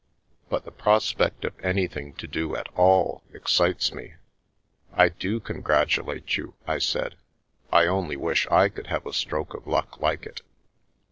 But the prospect of anything to do at all excites me." "I do congratulate you," I said. "I only wish I could have a stroke of luck like it